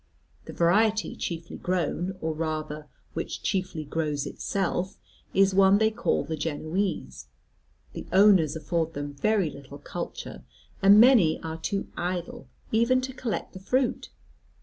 The variety chiefly grown, or rather which chiefly grows itself, is one they call the Genoese. The owners afford them very little culture, and many are too idle even to collect the fruit.